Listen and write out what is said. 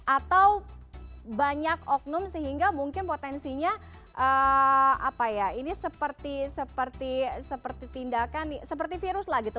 atau banyak oknum sehingga mungkin potensinya apa ya ini seperti tindakan seperti virus lah gitu